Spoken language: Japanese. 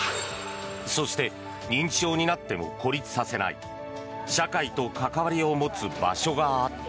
そして認知症になっても孤立させない社会と関わりを持つ場所があった。